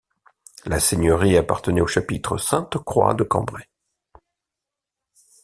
La seigneurie appartenait au chapitre Sainte-Croix de Cambrai.